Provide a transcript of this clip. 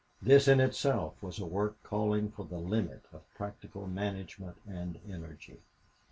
This in itself was a work calling for the limit of practical management and energy.